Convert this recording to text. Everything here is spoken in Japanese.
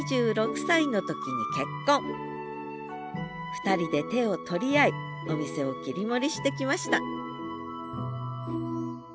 ２人で手を取り合いお店を切り盛りしてきました